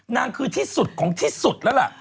นางคือที่สุดของที่สุดแล้วล่ะ